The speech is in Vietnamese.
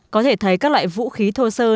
có thể thấy các loại vũ khí thô sơ